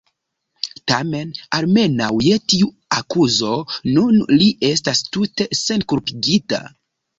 Tamen, almenaŭ je tiu akuzo, nun li estas tute senkulpigita.